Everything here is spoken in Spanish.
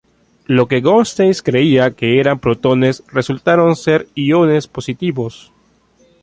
Lo que Goldstein creía que eran protones resultaron ser iones positivos.